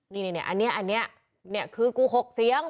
นี่อันนี้นี่คือกูหกเสียง